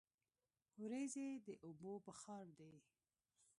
وریځې د اوبو بخار دي.